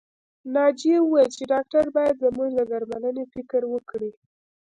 ناجيې وويل چې ډاکټر بايد زموږ د درملنې فکر وکړي